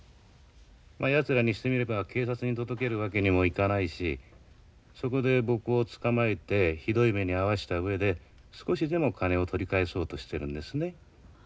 ・まやつらにしてみれば警察に届けるわけにもいかないしそこで僕を捕まえてひどい目に遭わしたうえで少しでも金を取り返そうとしてるんですね。